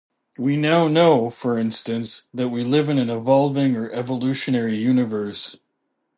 We now know, for instance, that we live in an evolving or evolutionary universe.